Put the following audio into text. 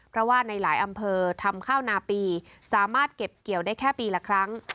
เพราะว่าในหลายอำเภอทำข้าวนาปีสามารถเก็บเกี่ยวได้แค่ปีละครั้ง